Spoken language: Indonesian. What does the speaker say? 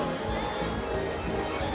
lalu lintas ya